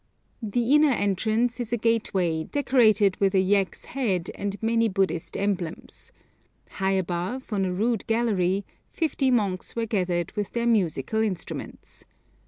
The inner entrance is a gateway decorated with a yak's head and many Buddhist emblems. High above, on a rude gallery, fifty monks were gathered with their musical instruments.